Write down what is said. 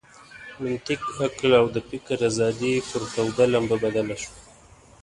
منطق، عقل او د فکر آزادي پر توده لمبه بدله شوه.